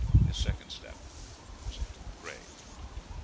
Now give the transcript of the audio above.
His second step was into the grave.